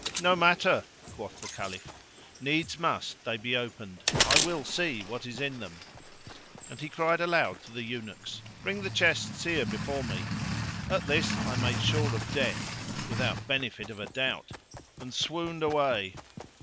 "No matter!" quoth the Caliph, "needs must they be opened, I will see what is in them"; and he cried aloud to the eunuchs, "Bring the chests here before me." At this I made sure of death (without benefit of a doubt) and swooned away.